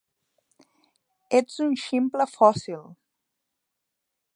Ets un ximple fòssil.